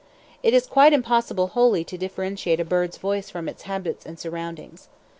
It is quite impossible wholly to differentiate a bird's voice from its habits and surroundings.